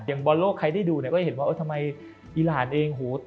อย่างบอลโล่ใครได้ดูก็เห็นว่าเอียนอีรานเองโอโฮ